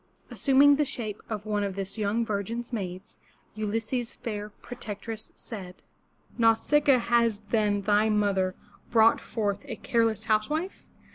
Assuming the shape of one of this young virgin's maids, Ulysses' fair protectress said: ''Nau sic'a a, has then thy mother brought forth a careless housewife?